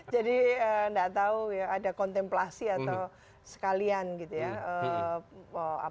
jadi nggak tahu ya ada kontemplasi atau sekalian gitu ya